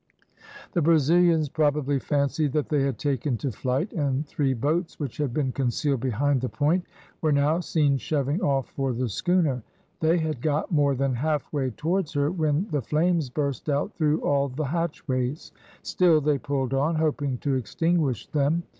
The Brazilians probably fancied that they had taken to flight, and three boats, which had been concealed behind the point, were now seen shoving off for the schooner. They had got more than half way towards her when the flames burst out through all the hatchways; still they pulled on, hoping to extinguish them.